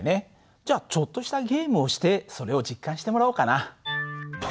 じゃあちょっとしたゲームをしてそれを実感してもらおうかな。